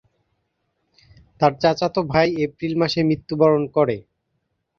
তার চাচাতো ভাই এপ্রিল মাসে মৃত্যুবরণ করে।